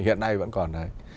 hiện nay vẫn còn đây